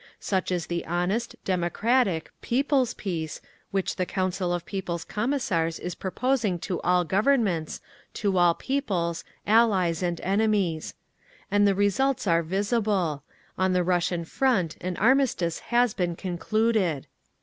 Such is the honest, democratic, People's peace which the Council of People's Commissars is proposing to all Governments, to all peoples, allies and enemies. And the results are visible: ON THE RUSSIAN FRONT AN ARMISTICE HAS BEEN CONCLUDED.